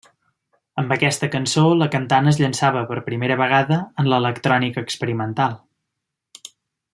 Amb aquesta cançó, la cantant es llançava per primera vegada en l'electrònica experimental.